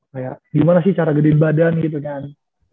kayak gimana sih cara gedein badan gitu kan